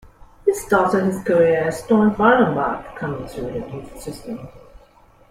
He started his career at Stahl Brandenburg, coming through their youth system.